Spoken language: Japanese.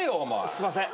すいません。